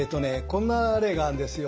こんな例があるんですよ。